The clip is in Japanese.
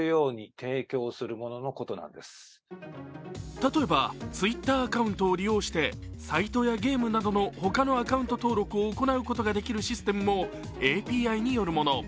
例えばＴｗｉｔｔｅｒアカウントを利用してサイトやゲームなどの他のアカウント登録を行うことができるシステムもＡＰＩによるもの。